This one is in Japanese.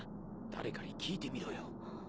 誰かに聞いてみろよ。